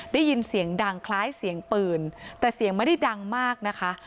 ได้ยินเสียงดังคล้ายเสียงปืนแต่เสียงไม่ได้ดังมากนะคะ